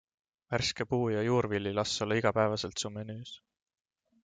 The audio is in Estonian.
Värske puu- ja juurvili las olla igapäevaselt su menüüs.